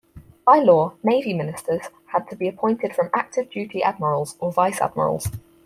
By law, Navy Ministers had to be appointed from active duty admirals or vice-admirals.